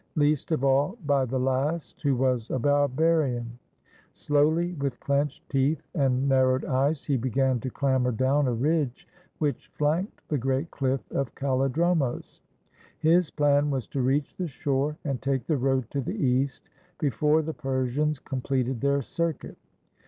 Least of all by the last, who was a barbarian. Slowly, with clenched teeth and narrowed eyes, he began to clamber down a ridge which flanked the great cliff of KalKdromos. His plan was to reach the shore, and take the road to the east before the Persians completed their circuit.